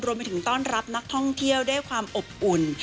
ไปถึงต้อนรับนักท่องเที่ยวด้วยความอบอุ่น